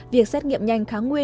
việc xét nghiệm nhanh kháng nguyên